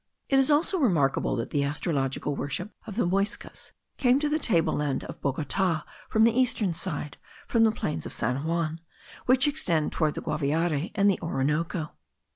It is also remarkable that the astrological worship of the Muyscas came to the table land of Bogota from the eastern side, from the plains of San Juan, which extend toward the Guaviare and the Orinoco.)